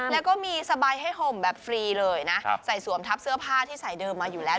แล้วก็มีสบายให้ห่มแบบฟรีเลยนะใส่สวมทับเสื้อผ้าที่ใส่เดิมมาอยู่แล้ว